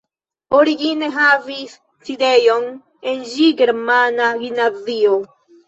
Origine havis sidejon en ĝi germana gimnazio.